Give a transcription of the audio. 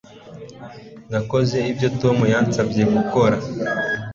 Nakoze ibyo Tom yansabye gukora